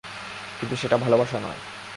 কিন্তু সেটা ভালোবাসা নয়।